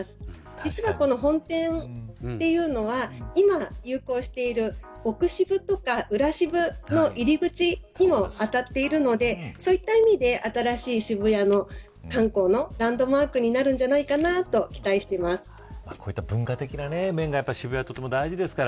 実は、この本店というのは今流行している奥シブとか裏シブの入り口にもあたっているのでそういった意味で新しい渋谷の観光のランドマークになるんじゃないかなとこういった文化的な面が渋谷は、とても大事ですから。